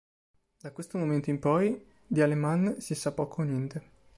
Da questo momento in poi, di Alemán si sa poco o niente.